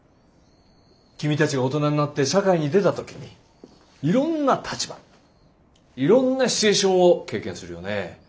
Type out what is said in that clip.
君たちが大人になって社会に出た時にいろんな立場いろんなシチュエーションを経験するよね。